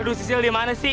aduh sisil di mana sih